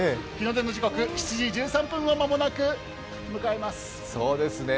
日の出の時刻７時１３分を間もなく迎えます。